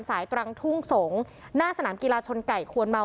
ตรังทุ่งสงศ์หน้าสนามกีฬาชนไก่ควนเมา